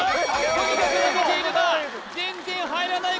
とにかく投げているが全然入らない